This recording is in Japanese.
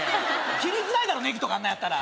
切りづらいだろう、ねぎとかあんなのやったら。